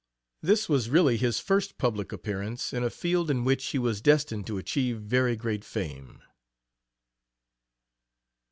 This was really his first public appearance in a field in which he was destined to achieve very great fame.